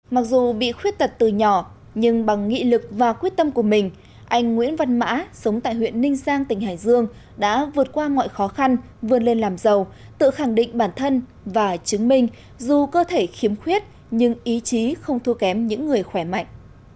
mặc dù bị khuyết tật từ nhỏ nhưng bằng nghị lực và quyết tâm của mình anh nguyễn văn mã sống tại huyện ninh giang tỉnh hải dương đã vượt qua mọi khó khăn vươn lên làm giàu tự khẳng định bản thân và chứng minh dù cơ thể khiếm khuyết nhưng ý chí không thua kém những người khỏe mạnh